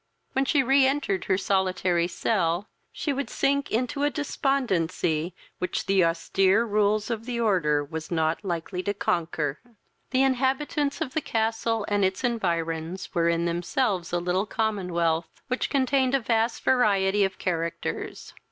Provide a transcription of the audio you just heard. When she re entered her solitary cell, she would sink into a despondency which the austere rules of the order was not likely to conquer. The inhabitants of the castle and its environs were in themselves a little commonwealth, which contained a vast variety of characters.